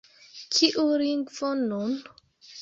Kiu lingvo nun?